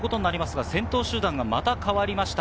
先頭集団がまた変わりました。